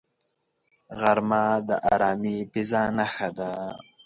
غرمه د آرامې فضاء نښه ده